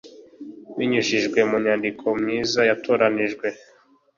binyujijwe mu myandiko myiza yatoranyijwe.